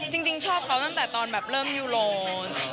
จริงชอบเขาตั้งแต่ตอนแบบเริ่มยูโร